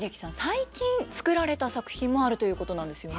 最近作られた作品もあるということなんですよね。